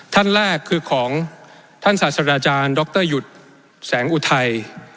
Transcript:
ท่านแรกคือของท่านศาสตราจารย์ดรหยุดแสงอุทัย